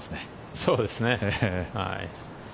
そうですね。